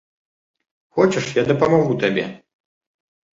Хочаш, я дапамагу табе?